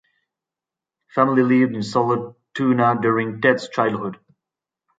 The family lived in Sollentuna during Ted's childhood.